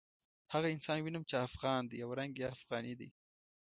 هغه انسان وینم چې افغان دی او رنګ یې افغاني دی.